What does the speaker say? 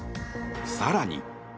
更に。